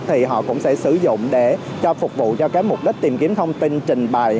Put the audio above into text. thì họ cũng sẽ sử dụng để cho phục vụ cho cái mục đích tìm kiếm thông tin trình bày